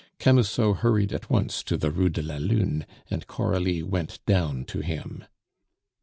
Camusot hurried at once to the Rue de la Lune, and Coralie went down to him.